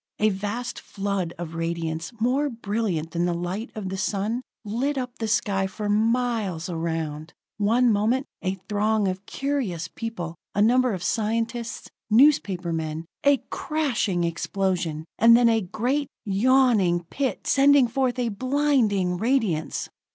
A vast flood of radiance, more brilliant than the light of the sun, lit up the sky for miles around. One moment, a throng of curious people, a number of scientists, newspaper men a crashing explosion and then a great, yawning pit sending forth a blinding radiance!